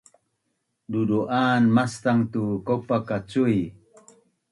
dudu’an maczang tu kaupa ka cui